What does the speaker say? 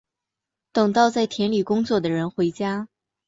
等到在田里工作的人回家